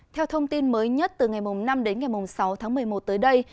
theo thông tin mới nhất từ ngày năm đến ngày sáu tháng một mươi một tới đây